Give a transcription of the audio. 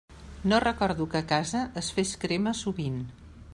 No recordo que a casa es fes crema sovint.